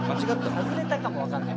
外れたかもわからない。